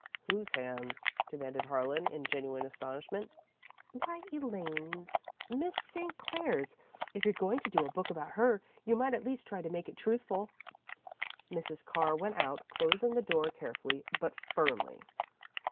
"Whose hands?" demanded Harlan, in genuine astonishment. "Why, Elaine's Miss St. Clair's. If you're going to do a book about her, you might at least try to make it truthful." Mrs. Carr went out, closing the door carefully, but firmly.